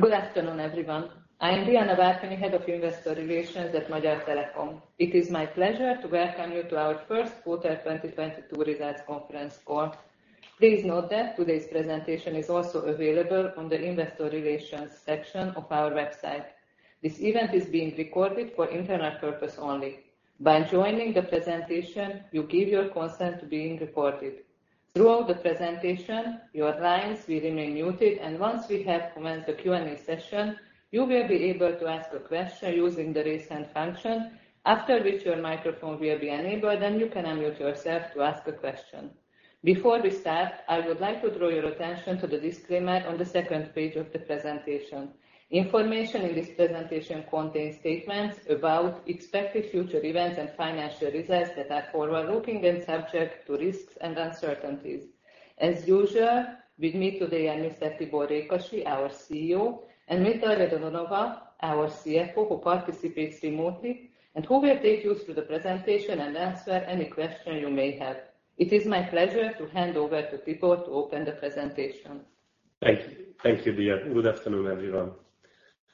Good afternoon, everyone. I am Diána Várkonyi, Head of Investor Relations at Magyar Telekom. It is my pleasure to welcome you to our first quarter 2022 results conference call. Please note that today's presentation is also available on the investor relations section of our website. This event is being recorded for internal purpose only. By joining the presentation, you give your consent to being recorded. Throughout the presentation, your lines will remain muted, and once we have commenced the Q&A session, you will be able to ask a question using the Raise Hand function, after which your microphone will be enabled, and you can unmute yourself to ask a question. Before we start, I would like to draw your attention to the disclaimer on the second page of the presentation. Information in this presentation contains statements about expected future events and financial results that are forward-looking and subject to risks and uncertainties. As usual, with me today are Mr. Tibor Rékasi, our CEO, and Daria Dodonova, our CFO, who participates remotely and who will take you through the presentation and answer any question you may have. It is my pleasure to hand over to Tibor to open the presentation. Thank you. Thank you, Dia. Good afternoon, everyone.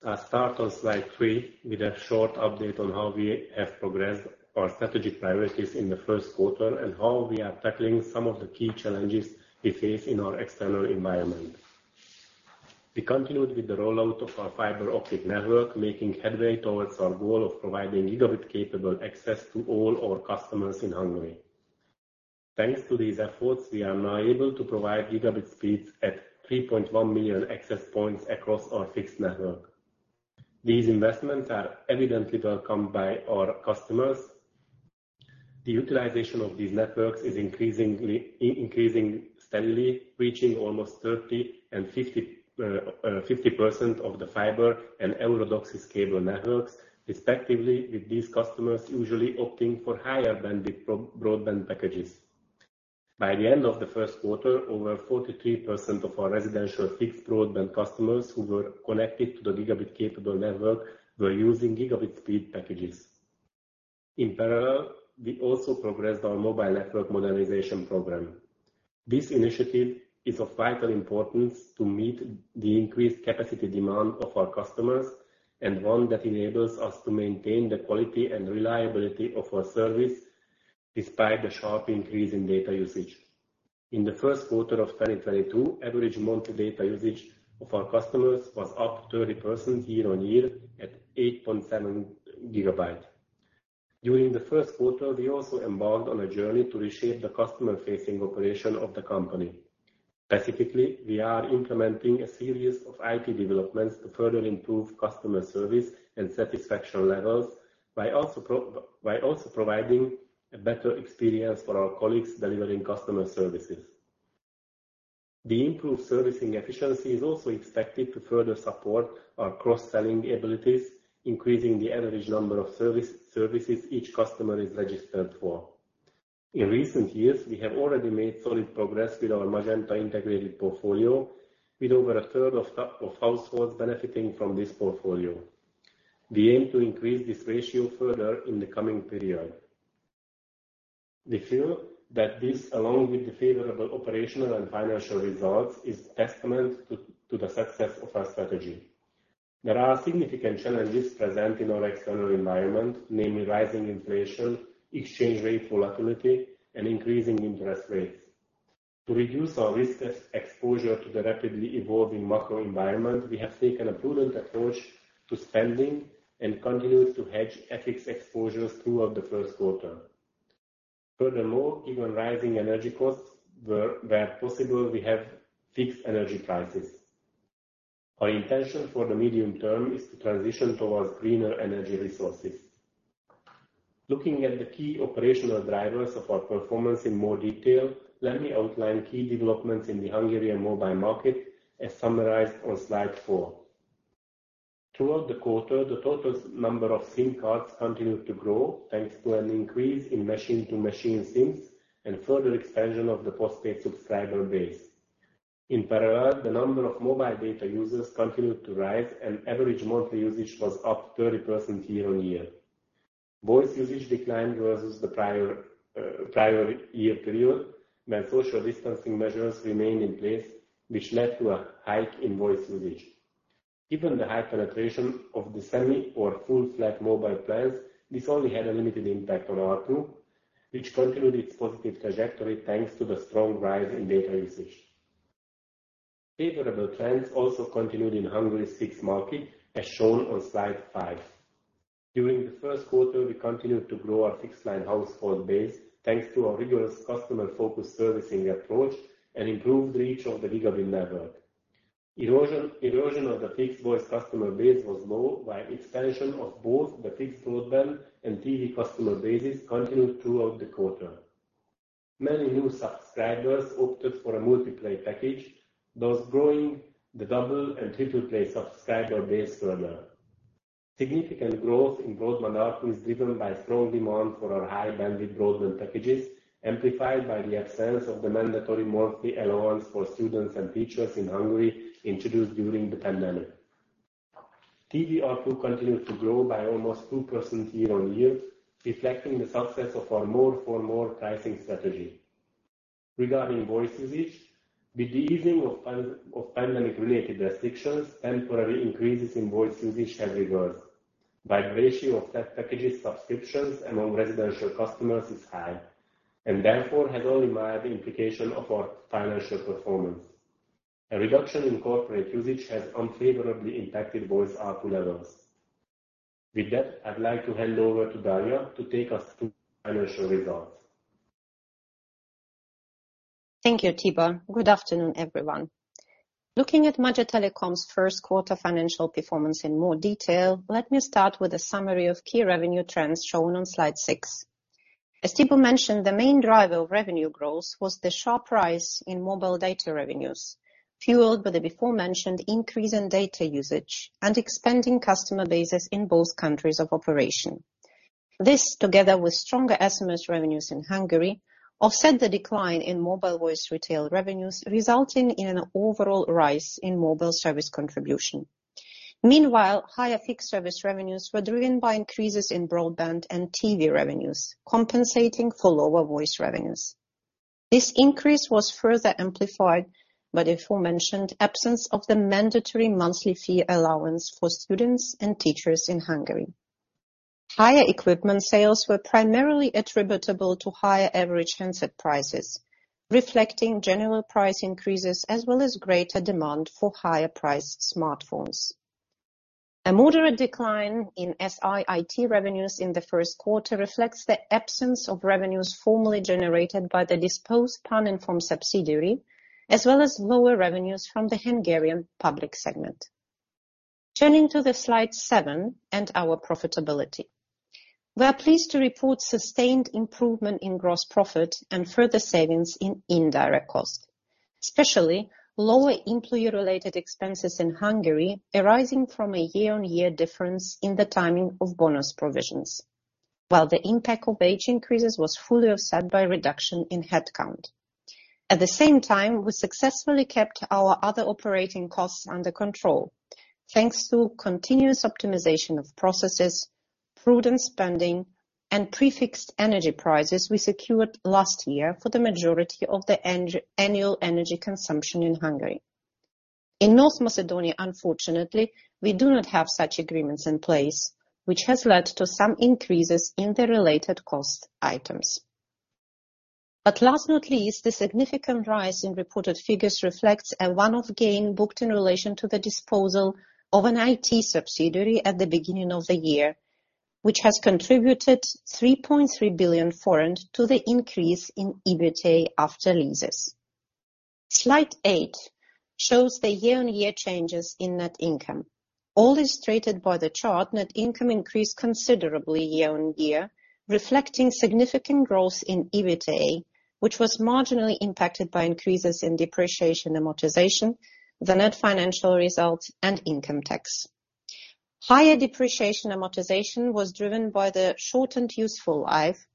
I'll start on slide three with a short update on how we have progressed our strategic priorities in the first quarter and how we are tackling some of the key challenges we face in our external environment. We continued with the rollout of our fiber optic network, making headway towards our goal of providing gigabit-capable access to all our customers in Hungary. Thanks to these efforts, we are now able to provide gigabit speeds at 3.1 million access points across our fixed network. These investments are evidently welcomed by our customers. The utilization of these networks is increasing steadily, reaching almost 30% and 50% of the fiber and EuroDOCSIS cable networks, respectively, with these customers usually opting for higher bandwidth broadband packages. By the end of the first quarter, over 43% of our residential fixed broadband customers who were connected to the gigabit-capable network were using gigabit speed packages. In parallel, we also progressed our mobile network modernization program. This initiative is of vital importance to meet the increased capacity demand of our customers and one that enables us to maintain the quality and reliability of our service despite the sharp increase in data usage. In the first quarter of 2022, average monthly data usage of our customers was up 30% year-on-year at 8.7 GB. During the first quarter, we also embarked on a journey to reshape the customer-facing operation of the company. Specifically, we are implementing a series of IT developments to further improve customer service and satisfaction levels, by also providing a better experience for our colleagues delivering customer services. The improved servicing efficiency is also expected to further support our cross-selling abilities, increasing the average number of services each customer is registered for. In recent years, we have already made solid progress with our Magenta integrated portfolio with over a third of households benefiting from this portfolio. We aim to increase this ratio further in the coming period. We feel that this, along with the favorable operational and financial results, is testament to the success of our strategy. There are significant challenges present in our external environment, namely rising inflation, exchange rate volatility, and increasing interest rates. To reduce our risk exposure to the rapidly evolving macro environment, we have taken a prudent approach to spending and continued to hedge FX exposures throughout the first quarter. Furthermore, given rising energy costs where possible, we have fixed energy prices. Our intention for the medium term is to transition towards greener energy resources. Looking at the key operational drivers of our performance in more detail, let me outline key developments in the Hungarian mobile market as summarized on slide 4. Throughout the quarter, the total number of SIM cards continued to grow thanks to an increase in machine-to-machine SIMs and further expansion of the postpaid subscriber base. In parallel, the number of mobile data users continued to rise, and average monthly usage was up 30% year-on-year. Voice usage declined versus the prior year period, when social distancing measures remained in place, which led to a hike in voice usage. Given the high penetration of the semi or full flat mobile plans, this only had a limited impact on ARPU, which continued its positive trajectory thanks to the strong rise in data usage. Favorable trends also continued in Hungary's fixed market, as shown on slide 5. During the first quarter, we continued to grow our fixed line household base, thanks to our rigorous customer-focused servicing approach and improved reach of the gigabit network. Erosion of the fixed voice customer base was low, while expansion of both the fixed broadband and TV customer bases continued throughout the quarter. Many new subscribers opted for a multi-play package, thus growing the double and triple-play subscriber base further. Significant growth in broadband ARPU is driven by strong demand for our high-bandwidth broadband packages, amplified by the absence of the mandatory monthly allowance for students and teachers in Hungary introduced during the pandemic. TV ARPU continued to grow by almost 2% year-on-year, reflecting the success of our more-for-more pricing strategy. Regarding voice usage, with the easing of pandemic related restrictions, temporary increases in voice usage have reversed. While the ratio of set packages subscriptions among residential customers is high, and therefore has only mild implication of our financial performance. A reduction in corporate usage has unfavorably impacted voice ARPU levels. With that, I'd like to hand over to Daria to take us through financial results. Thank you, Tibor. Good afternoon, everyone. Looking at Magyar Telekom's first quarter financial performance in more detail, let me start with a summary of key revenue trends shown on slide 6. As Tibor mentioned, the main driver of revenue growth was the sharp rise in mobile data revenues, fueled by the aforementioned increase in data usage and expanding customer bases in both countries of operation. This, together with stronger SMS revenues in Hungary, offset the decline in mobile voice retail revenues, resulting in an overall rise in mobile service contribution. Meanwhile, higher fixed service revenues were driven by increases in broadband and TV revenues, compensating for lower voice revenues. This increase was further amplified by the aforementioned absence of the mandatory monthly fee allowance for students and teachers in Hungary. Higher equipment sales were primarily attributable to higher average handset prices, reflecting general price increases, as well as greater demand for higher priced smartphones. A moderate decline in SI/IT revenues in the first quarter reflects the absence of revenues formerly generated by the disposed Pan-Inform subsidiary, as well as lower revenues from the Hungarian public segment. Turning to Slide 7 and our profitability. We are pleased to report sustained improvement in gross profit and further savings in indirect costs, especially lower employee-related expenses in Hungary, arising from a year-on-year difference in the timing of bonus provisions. While the impact of wage increases was fully offset by reduction in headcount. At the same time, we successfully kept our other operating costs under control, thanks to continuous optimization of processes, prudent spending, and fixed energy prices we secured last year for the majority of the annual energy consumption in Hungary. In North Macedonia, unfortunately, we do not have such agreements in place, which has led to some increases in the related cost items. Last but not least, the significant rise in reported figures reflects a one-off gain booked in relation to the disposal of an IT subsidiary at the beginning of the year, which has contributed 3.3 billion to the increase in EBITDA after leases. Slide 8 shows the year-on-year changes in net income. As illustrated by the chart, net income increased considerably year-on-year, reflecting significant growth in EBITDA, which was marginally impacted by increases in depreciation amortization, the net financial result, and income tax. Higher depreciation amortization was driven by the shortened useful life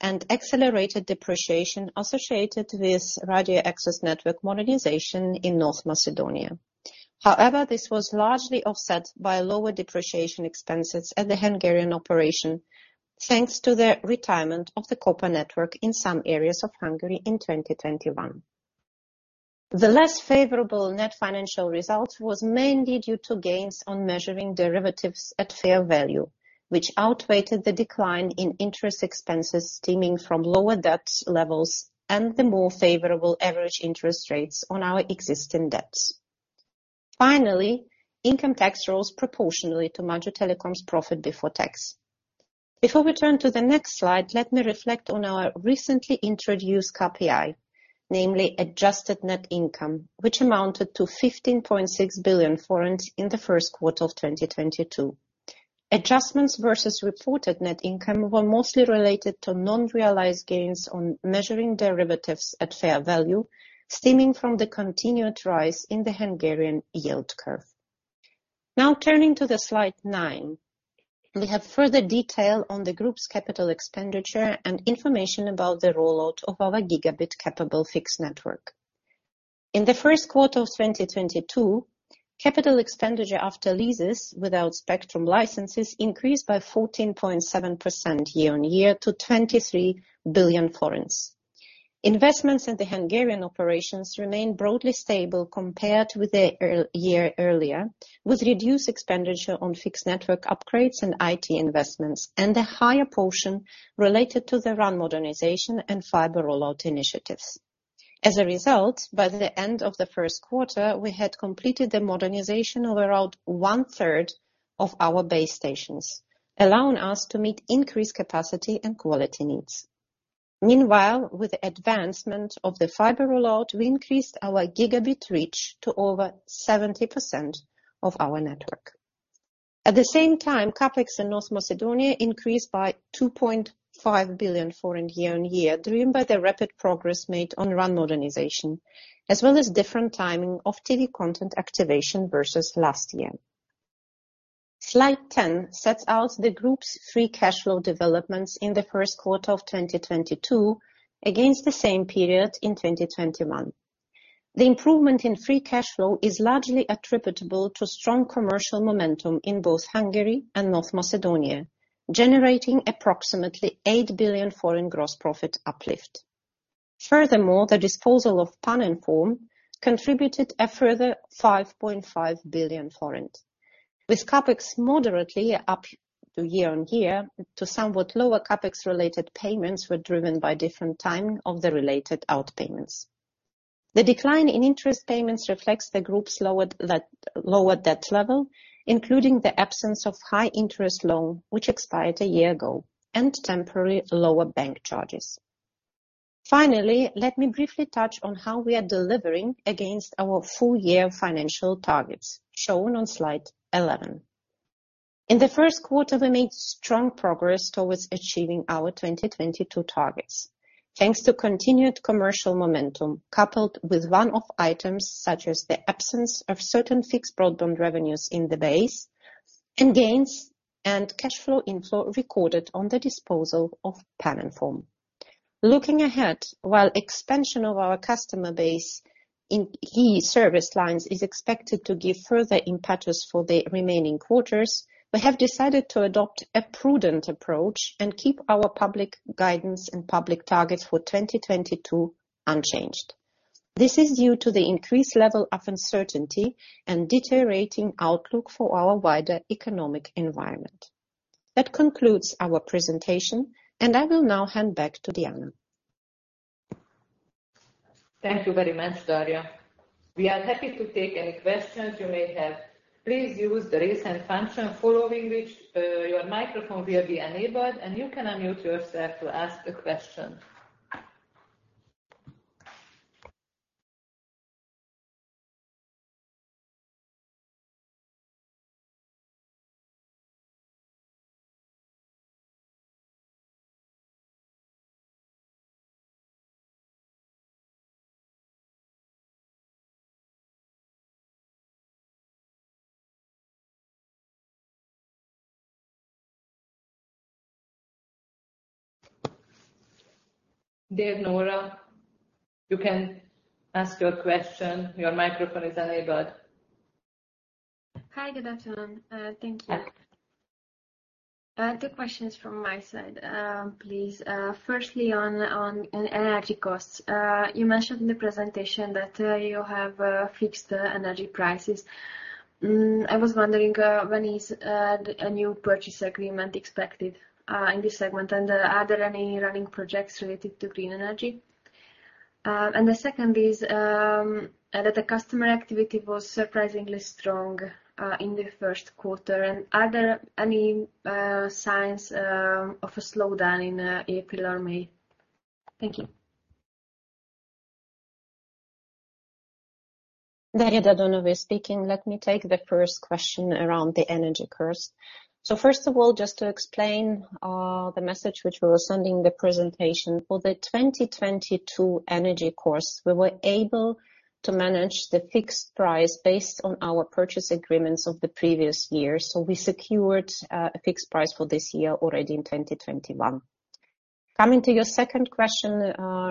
and accelerated depreciation associated with radio access network modernization in North Macedonia. However, this was largely offset by lower depreciation expenses at the Hungarian operation, thanks to the retirement of the copper network in some areas of Hungary in 2021. The less favorable net financial results was mainly due to gains on measuring derivatives at fair value, which outweighed the decline in interest expenses stemming from lower debt levels and the more favorable average interest rates on our existing debts. Finally, income tax rose proportionally to Magyar Telekom's profit before tax. Before we turn to the next slide, let me reflect on our recently introduced KPI, namely adjusted net income, which amounted to 15.6 billion forints in the first quarter of 2022. Adjustments versus reported net income were mostly related to unrealized gains on measuring derivatives at fair value, stemming from the continued rise in the Hungarian yield curve. Now turning to slide 9, we have further detail on the group's capital expenditure and information about the rollout of our gigabit-capable fixed network. In the first quarter of 2022, capital expenditure after leases without spectrum licenses increased by 14.7% year-on-year to 23 billion forints. Investments in the Hungarian operations remain broadly stable compared with the earlier year, with reduced expenditure on fixed network upgrades and IT investments, and a higher portion related to the RAN modernization and fiber rollout initiatives. As a result, by the end of the first quarter, we had completed the modernization of around one-third of our base stations, allowing us to meet increased capacity and quality needs. Meanwhile, with the advancement of the fiber rollout, we increased our gigabit reach to over 70% of our network. At the same time, CapEx in North Macedonia increased by 2.5 billion year-on-year, driven by the rapid progress made on RAN modernization, as well as different timing of TV content activation versus last year. Slide 10 sets out the group's free cash flow developments in the first quarter of 2022 against the same period in 2021. The improvement in free cash flow is largely attributable to strong commercial momentum in both Hungary and North Macedonia, generating approximately 8 billion gross profit uplift. Furthermore, the disposal of Pan-Inform contributed a further 5.5 billion forint. With CapEx moderately up year-on-year due to somewhat lower CapEx-related payments driven by different timing of the related outpayments. The decline in interest payments reflects the group's lower debt level, including the absence of high interest loan, which expired a year ago, and temporary lower bank charges. Finally, let me briefly touch on how we are delivering against our full-year financial targets shown on slide 11. In the first quarter, we made strong progress towards achieving our 2022 targets. Thanks to continued commercial momentum, coupled with one-off items such as the absence of certain fixed broadband revenues in the base, and gains and cash flow inflow recorded on the disposal of Pan-Inform. Looking ahead, while expansion of our customer base in key service lines is expected to give further impetus for the remaining quarters, we have decided to adopt a prudent approach and keep our public guidance and public targets for 2022 unchanged. This is due to the increased level of uncertainty and deteriorating outlook for our wider economic environment. That concludes our presentation, and I will now hand back to Diana. Thank you very much, Daria. We are happy to take any questions you may have. Please use the raise hand function, following which, your microphone will be enabled, and you can unmute yourself to ask a question. Dear Nora, you can ask your question. Your microphone is enabled. Hi, good afternoon. Thank you. Two questions from my side, please. Firstly, on energy costs. You mentioned in the presentation that you have fixed energy prices. I was wondering when a new purchase agreement is expected in this segment, and are there any running projects related to green energy? The second is that the customer activity was surprisingly strong in the first quarter. Are there any signs of a slowdown in April or May? Thank you. Let me take the first question around the energy cost. First of all, just to explain, the message which we were sending in the presentation. For the 2022 energy costs, we were able to manage the fixed price based on our purchase agreements of the previous year. We secured a fixed price for this year already in 2021. Coming to your second question,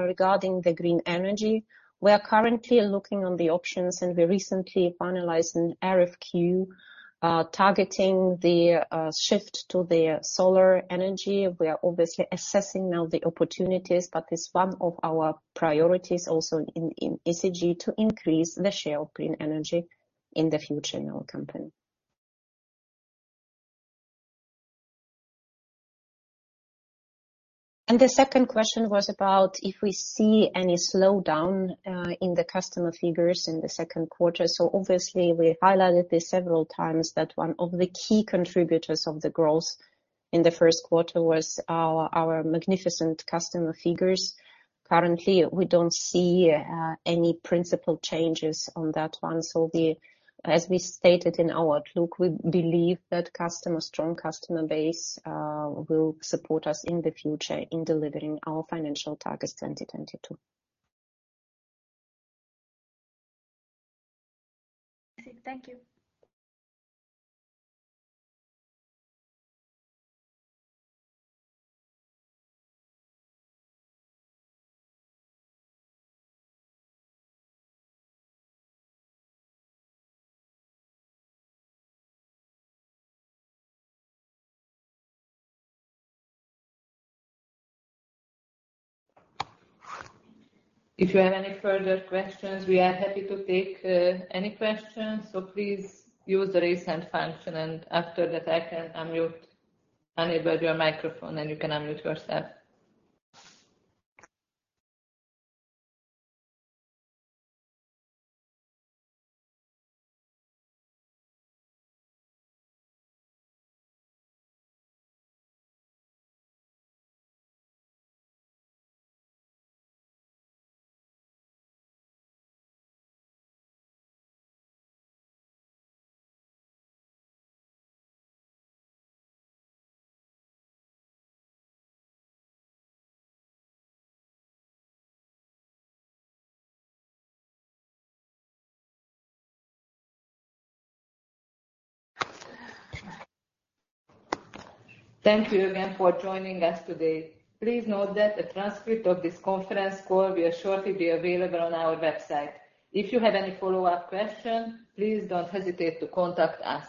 regarding the green energy. We are currently looking on the options, and we recently finalized an RFQ targeting the shift to the solar energy. We are obviously assessing now the opportunities, but it's one of our priorities also in ESG to increase the share of green energy in the future in our company. The second question was about if we see any slowdown in the customer figures in the second quarter. Obviously we highlighted this several times that one of the key contributors of the growth in the first quarter was our magnificent customer figures. Currently, we don't see any principal changes on that one. As we stated in our outlook, we believe that strong customer base will support us in the future in delivering our financial targets, 2022. Thank you. If you have any further questions, we are happy to take any questions. Please use the raise hand function, and after that I can enable your microphone, and you can unmute yourself. Thank you again for joining us today. Please note that a transcript of this conference call will shortly be available on our website. If you have any follow-up question, please don't hesitate to contact us.